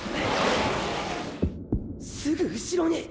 すぐ後ろに！